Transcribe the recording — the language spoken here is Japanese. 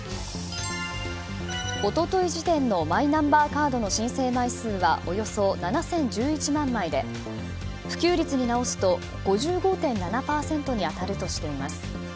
一昨日時点のマイナンバーカードの申請枚数はおよそ７０１１万枚で普及率に直すと５５．７％に当たるとしています。